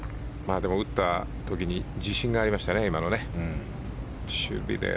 でも打った時に自信がありましたね。